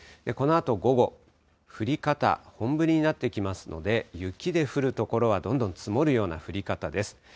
このあと午後、降り方、本降りになってきますので、雪で降る所は、どんどん積もるような降り方です。